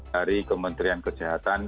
dari kementerian kesehatan